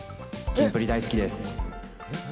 キンプリ大好きです。